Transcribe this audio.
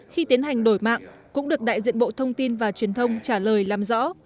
khi tiến hành đổi mạng cũng được đại diện bộ thông tin và truyền thông trả lời làm rõ